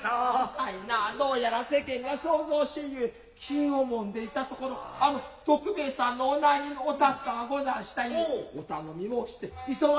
さいナァどうやら世間が騒々しいゆえ気をもんでいたところあの徳兵衛さんの御内儀のお辰っつぁんがござんしたゆえお頼み申して磯之